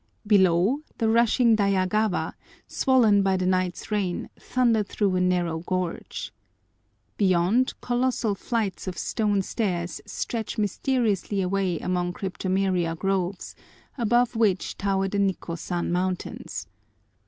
Below, the rushing Daiyagawa, swollen by the night's rain, thundered through a narrow gorge. Beyond, colossal flights of stone stairs stretch mysteriously away among cryptomeria groves, above which tower the Nikkôsan mountains.